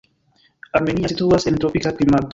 Armenia situas en tropika klimato.